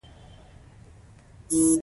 د زندانیانو د عفوې په اړه فرمان.